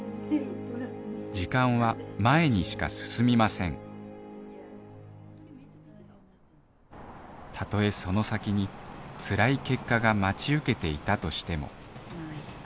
時間は前にしか進みませんたとえその先につらい結果が待ち受けていたとしてもまあいっか。